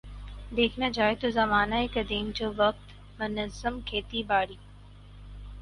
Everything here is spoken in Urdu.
دیکھنا جائے تو زمانہ قدیم جو وقت منظم کھیتی باڑی